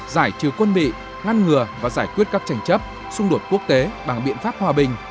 giải trừ quân bị ngăn ngừa và giải quyết các tranh chấp xung đột quốc tế bằng biện pháp hòa bình